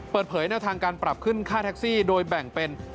เปิดเผยแนวทางการปรับขึ้นค่าแท็กซี่โดยแบ่งเป็น